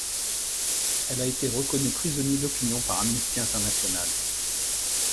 Elle a été reconnue prisonnier d'opinion par Amnesty International.